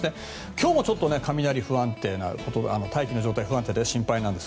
今日も雷大気の状態が不安定で心配です。